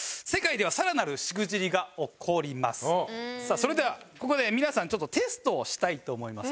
それではここで皆さんちょっとテストをしたいと思います。